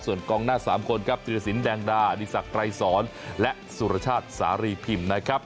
ส่วนกองหน้า๓คนครับธิรสินแดงดาดีสักไกรสอนและสุรชาติสารีพิมพ์นะครับ